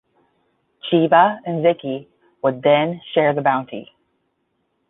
Jeeva and Vicky would then share the bounty.